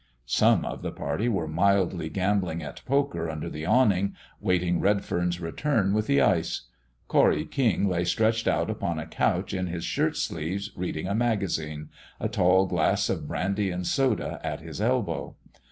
Some of the party were mildly gambling at poker under the awning, waiting Redfern's return with the ice. Corry King lay stretched out upon a couch in his shirt sleeves reading a magazine, a tall glass of brandy and soda at his elbow.